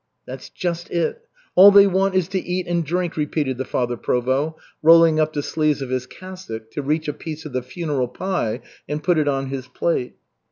"That's just it all they want is to eat and drink," repeated the Father Provost, rolling up the sleeves of his cassock to reach a piece of the funeral pie and put it on his plate.